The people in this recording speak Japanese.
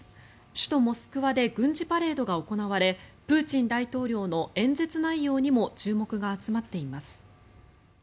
首都モスクワで軍事パレードが行われプーチン大統領の演説内容にも注目が集まっています。